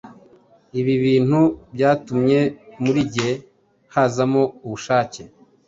Ibi bintu byatumye muri jye hazamo ubushake